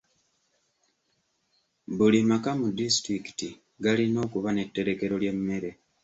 Buli maka mu disitulikiti galina okuba n'etterekero ly'emmere.